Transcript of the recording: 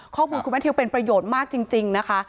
ข้อมูลคุณแมททิวเป็นประโยชน์มากจริงนะคะ